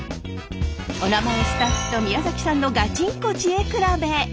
おなまえスタッフと宮崎さんのガチンコ知恵比べ！